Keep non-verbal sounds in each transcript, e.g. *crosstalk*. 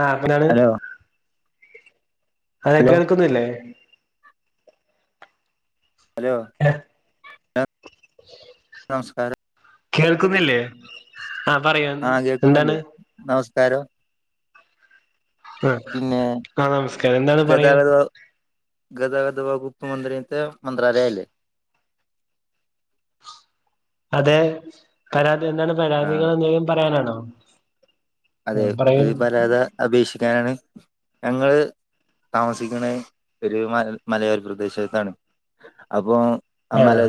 ആ ഹലോ *unintelligible* അതെ ഹലോ കേൾക്കുന്നില്ലേ ഹലോ ടാ നമസ്കാരം കേൾക്കുന്നില്ലേ ആ പറയൂ എന്താണ് കരോ അ ആ നമസ്കാരം എന്താണ് പറയൂ ഗദാഗദ വഗുപ്പ്‌ മന്ദിരത്തെ മന്ത്രാലയ അല്ലെ അതെ എന്താണ് ആ പരാതികള് എന്തേങ്കിലും പറയാനാണോ ഉ അതെ ഒരു പരാത അപേക്ഷിക്കാനാണ് ഞങ്ങള് താമസിക്ണേ ഒരു മ മലയോര പ്രദേശത്താണ് അപ്പ ആഹ് അമ്മലൽ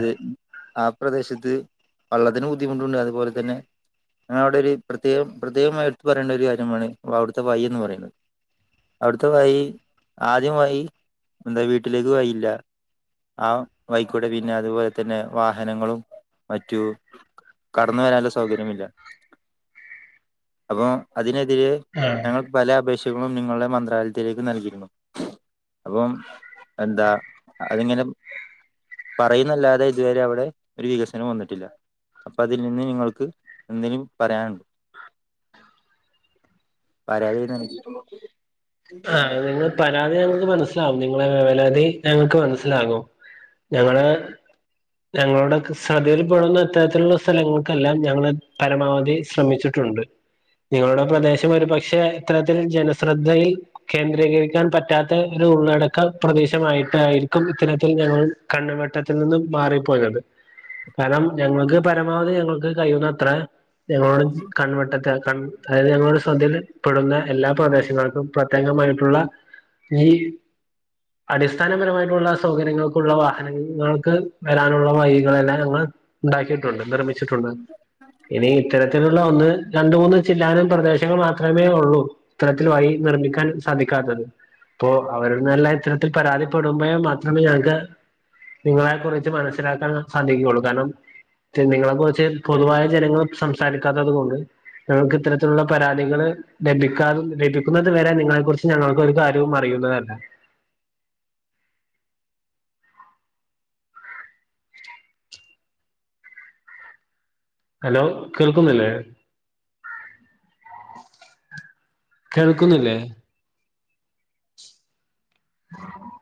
ആ പ്രദേശത്ത് വള്ളത്തിന് ബുദ്ധിമുട്ടുണ്ട് അതുപോലെ തന്നെ ഞാ അവ്ടെഒരു പ്രത്യേകം പ്രത്യേകമായി ഇട്ത് പറയേണ്ട ഒരു കാര്യമാണ് അവിടുത്തെ വൈ എന്ന് പറയുന്നത് അവിടുത്തെ വൈ ആദ്യം വൈ എന്താ വീട്ടിലേക്ക് വൈയില്ല ആ വൈക്കൂടെ പിന്നെ അതുപോലെ തന്നെ വാഹനങ്ങളും മറ്റു കടന്ന് വരാനുള്ള സൗകര്യമില്ല അപ്പൊ അതിനെ *unintelligible* ആഹ് ഞ പല അപ് നിങ്ങളുടെ മന്ത്രാലയത്തിലേക്ക് നൽകിയിരുന്നു അപ്പം എന്താ അതിങ്ങനെ പറയുന്നല്ലാതെ ഇതുവരെ അവിടെ ഒരു വികസനം വന്നിട്ടില്ല അപ്പൊ അതിൽ നിന്ന് നിങ്ങൾക്ക് എന്നെലും പറയാനുണ്ടോ പരാതി നൽ ആ *unintelligible* ലാവും നിങ്ങളെ പരാതി ഞങ്ങക്ക് മനസ്സിലാകും ഞങ്ങള് ഞങ്ങളുടെ ശ്രദ്ധയിൽപ്പെടുന്ന അത്തരത്തിലുള്ള സ്ഥലങ്ങൾക്കെല്ലാം ഞങ്ങള് പരമാവധി ശ്രമിച്ചിട്ടുണ്ട് നിങ്ങളുടെ പ്രദേശം ഒരുപക്ഷെ ഇത്തരത്തിൽ ജനശ്രദ്ധയിൽ കേന്ദ്രീകരിക്കാൻ പറ്റാത്ത ഒരു ഉള്ളടക്ക പ്രദേശമായിട്ടായിരിക്കും ഇത്തരത്തിൽ ഞങ്ങൾ കണ്ണുവെട്ടത്തിൽ നിന്നും മാറിപ്പോയത് കാരണം ഞങ്ങൾക്ക് പരമാവധി ഞങ്ങൾക്ക് കഴിയുന്നത്ര ഞങ്ങളോടും കൺവെട്ടത് *unintelligible* അതായത് ഞങ്ങളുടെ ശ്രദയിൽ പെടുന്ന എല്ലാ പ്രദേശങ്ങൾക്കും പ്രത്യേകമായിട്ടുള്ള ഈ അടിസ്ഥാനപരമായിട്ടുള്ള സൗകര്യങ്ങൾക്കുള്ള വാഹനങ്ങൾക്ക് വരാനുള്ള വഴികളെല്ലാം ഞങ്ങള് ഉണ്ടാക്കിട്ടുണ്ട് നിർമ്മിച്ചിട്ടുണ്ട് ഇനി ഇത്തരത്തിലുള്ള ഒന്ന് രണ്ടുമൂന്നു ചിലയിനം പ്രദേശങ്ങൾ മാത്രമേ ഉള്ളൂ ഇത്തരത്തിൽ വഴി നിർമ്മിക്കാൻ സാധിക്കാത്തത് അപ്പോ അവരുടെ നല്ല ഇത്തരത്തിൽ പരാതിപ്പെടുമ്പോൾ മാത്രമേ ഞങ്ങൾക്ക് നിങ്ങളെ കുറിച്ച് മനസ്സിലാക്കാൻ സാധിക്കുകയുള്ളൂ കാരണം നിങ്ങളെ കുറിച്ച് പൊതുവായി ജനങ്ങൾ സംസാരിക്കാത്തത് കൊണ്ട് ഞങ്ങക്ക് ഇത്തരത്തിലുള്ള പരാതികൾ ലഭിക്കാതെ വരും വരുന്നതുവരെ നിങ്ങളെ കുറിച്ച് ഞങ്ങൾക്ക് ഒരു കാര്യവും അറിയുന്നതല്ല ഹലോ കേൾക്കുന്നില്ലേ കേൾക്കുന്നില്ലേ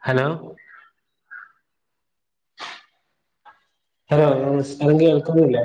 ഹലോ ഹലോ മാം ആ കേൾക്കുന്നില്ലേ